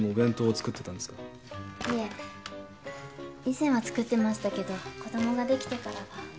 いえ以前は作ってましたけど子供ができてからは。